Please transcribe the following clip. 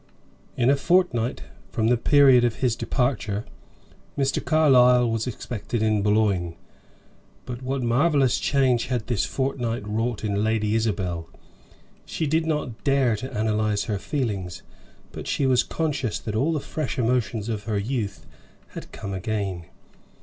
In a fortnight from the period of his departure, Mr. Carlyle was expected in Boulogne. But what a marvellous change had this fortnight wrought in Lady Isabel! She did not dare to analyze her feelings, but she was conscious that all the fresh emotions of her youth had come again.